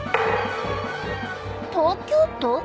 東京都？